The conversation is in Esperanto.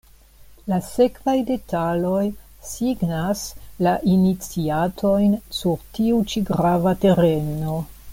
La sekvaj detaloj signas la iniciatojn sur tiu ĉi grava tereno.